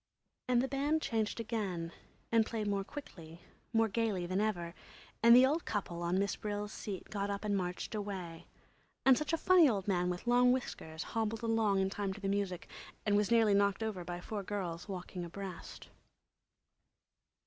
And the band changed again and played more quickly, more gayly than ever, and the old couple on Miss Brill's seat got up and marched away, and such a funny old man with long whiskers hobbled along in time to the music and was nearly knocked over by four girls walking abreast.